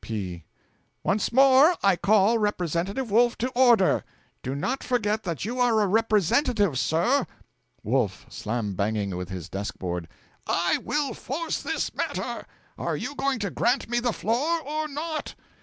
P. 'Once more I call Representative Wolf to order! Do not forget that you are a Representative, sir!' Wolf (slam banging with his desk board). 'I will force this matter! Are you going to grant me the floor, or not?'